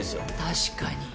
確かに。